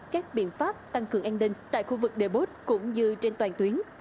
các biện pháp tăng cường an ninh tại khu vực đề bốt cũng như trên toàn tuyến